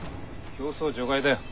競走除外だよ。